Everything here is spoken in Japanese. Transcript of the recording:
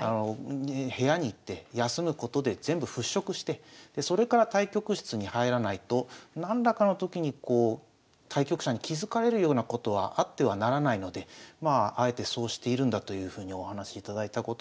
部屋に行って休むことで全部払拭してそれから対局室に入らないと何らかのときに対局者に気付かれるようなことはあってはならないのであえてそうしているんだというふうにお話しいただいたことがあります。